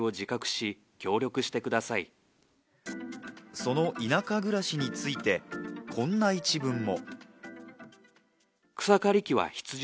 その田舎暮らしについて、こんな一文も。